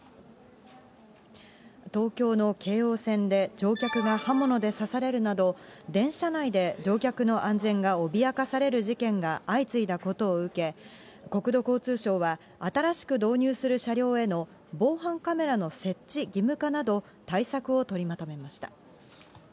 東京の京王線で、乗客が刃物で刺されるなど、電車内で乗客の安全が脅かされる事件が相次いだことを受け、国土交通省は、新しく導入する車両への防犯カメラの設置義務化など、対策を取りまとめました。